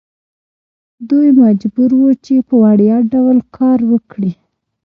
دوی مجبور وو چې په وړیا ډول کار وکړي.